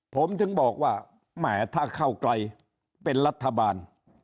ผมถึงบอกว่าแหมถ้าเข้าไกลเป็นรัฐบาล